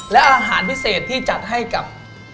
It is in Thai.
และอาหารพิเศษที่จัดให้กับ